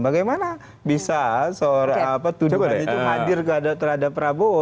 bagaimana bisa seorang tuduhan itu hadir terhadap prabowo